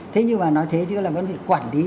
thế nhưng mà nói thế chứ là vẫn phải quản lý